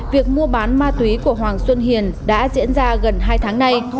việc mua bán ma túy của hoàng xuân hiền đã diễn ra gần hai tháng nay